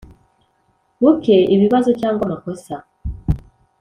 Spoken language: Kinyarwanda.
Buke ibibazo cyangwa amakosa